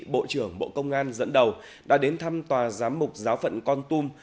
bộ trưởng bộ công an dẫn đầu đã đến thăm tòa giám mục giáo phận con tum